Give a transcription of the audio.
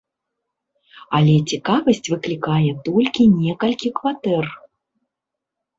Але цікавасць выклікае толькі некалькі кватэр.